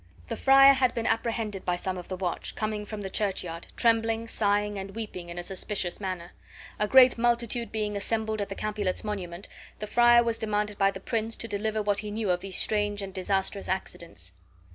The friar had been apprehended by some of the watch, coming from the churchyard, trembling, sighing, and weeping in a suspicious manner. A great multitude being assembled at the Capulets' monument, the friar was demanded by the prince to deliver what he knew of these strange and disastrous accidents.